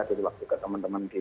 dulu waktu juga teman teman di